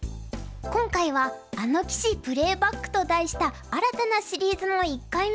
今回は「あの棋士プレーバック！」と題した新たなシリーズの１回目。